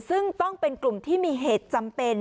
ซึ่งต้องเป็นกลุ่มที่มีเหตุจำเป็น